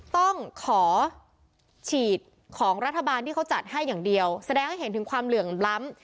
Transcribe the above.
ต้องขอฉีดของรัฐบาลที่เขาจัดให้อย่างเดียวแสดงให้เห็นถึงความเหลื่อมล้ำ